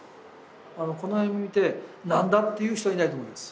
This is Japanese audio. あのこの絵を見て「何だ！」って言う人はいないと思います